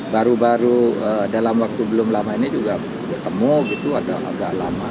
baru baru dalam waktu belum lama ini juga ketemu gitu agak lama